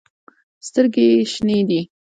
سترګې ېې شنې دي